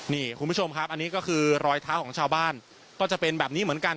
นี่คุณผู้ชมครับอันนี้ก็คือรอยเท้าของชาวบ้านก็จะเป็นแบบนี้เหมือนกัน